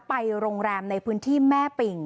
ไปโรงแรมในพื้นที่แม่ปิ่ง